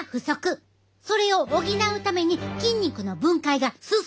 それを補うために筋肉の分解が進んでしまうねん。